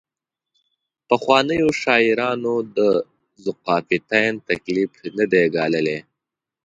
پخوانیو شاعرانو د ذوقافیتین تکلیف نه دی ګاللی.